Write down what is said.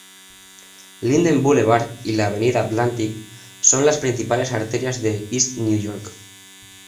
Linden Boulevard y la Avenida Atlantic son las principales arterias de East New York.